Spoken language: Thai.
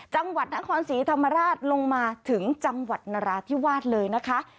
จังหวัดนครศรีธรรมราชลงมาถึงจังหวัดนราธิวาสเลยนะคะ